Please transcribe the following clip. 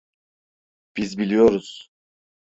Biz biliyoruz.